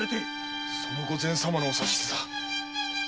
その御前様のお指図だ。